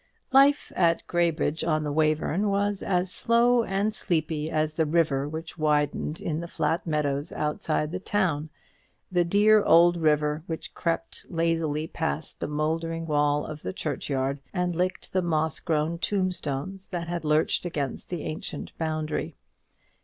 Life at Graybridge on the Wayverne was as slow and sleepy as the river which widened in the flat meadows outside the town; the dear old river which crept lazily past the mouldering wall of the churchyard, and licked the moss grown tombstones that had lurched against that ancient boundary.